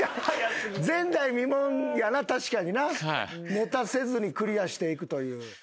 ネタせずにクリアしていくという。